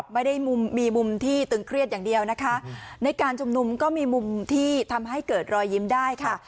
ไม่ได้มุมมีมุมที่ตึงเครียดอย่างเดียวนะคะในการชุมนุมก็มีมุมที่ทำให้เกิดรอยยิ้มได้ค่ะ